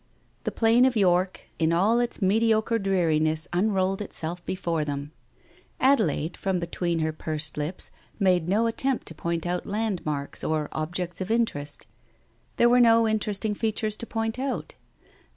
The Plain of York in all its mediocre dreariness unrolled itself before them. Ade laide, from between her pursed lips, made no attempt to point out landmarks or objects of interest. There were no interesting features to point out.